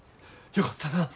よかったなぁ。